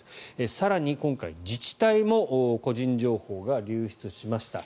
更に今回、自治体も個人情報が流出しました。